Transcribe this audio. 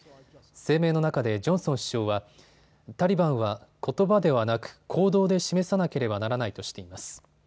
声明の中でジョンソン首相はタリバンは、ことばではなく行動で示さなければならないとしています。